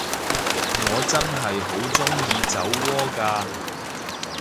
我真係好鍾意酒窩㗎